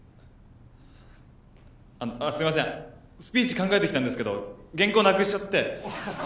スピーチ考えてきたんですけど原稿なくしちゃって。